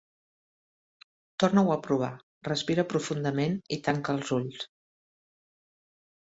Torna-ho a provar: respira profundament i tanca els ulls.